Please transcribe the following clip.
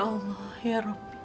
kamu memakai gelet perang